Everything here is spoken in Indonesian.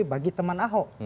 bagi teman ahok